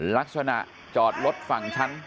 ลักษณะจอดรถฝั่งชั้น